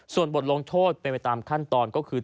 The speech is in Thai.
ส่วนบทลงโทษเป็นไปตามขั้นตอนก็คือ